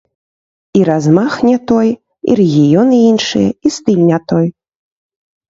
І размах не той, і рэгіёны іншыя, і стыль не той.